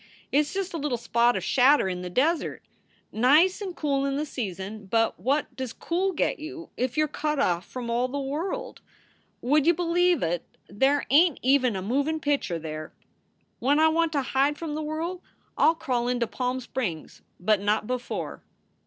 It s just a little spot of shadder in the desert. Nice and cool in the season, but what does cool get you if you re cut off from all the world? Would ya b lieve ut, there ain t even a movin pitcher there. When I want to hide from the worl I ll crawl into Palm Springs, but not before."